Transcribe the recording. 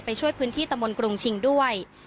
ไปช่วยพื้นที่ตำบลกรุงชิงด้วย